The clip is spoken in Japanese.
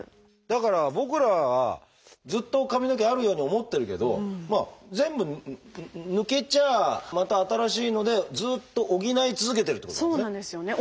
だから僕らはずっと髪の毛あるように思ってるけど全部抜けちゃあまた新しいのでずっと補い続けてるっていうことなんですね。